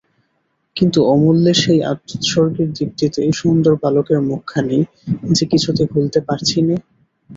কিন্তু অমূল্যর সেই আত্মোৎসর্গের দীপ্তিতে-সুন্দর বালকের মুখখানি যে কিছুতে ভুলতে পারছি নে।